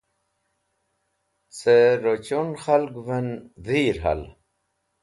Cẽ rochun khalgvẽn dhir hal.